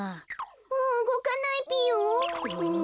もううごかないぴよ？